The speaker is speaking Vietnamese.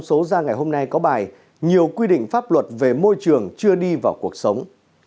số ra ngày hôm nay có bài nhiều quy định pháp luật về môi trường chưa đi vào cuộc sống